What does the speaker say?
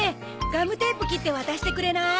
ガムテープ切って渡してくれない？